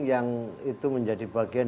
yang itu menjadi bagian